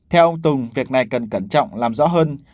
theo ông tùng việc này cần cẩn trọng làm rõ hơn